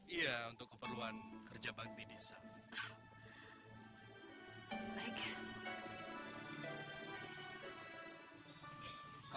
iya untuk keperluan kerja bakti di sana